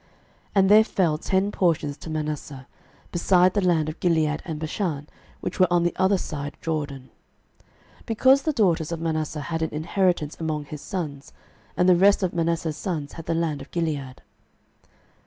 06:017:005 And there fell ten portions to Manasseh, beside the land of Gilead and Bashan, which were on the other side Jordan; 06:017:006 Because the daughters of Manasseh had an inheritance among his sons: and the rest of Manasseh's sons had the land of Gilead.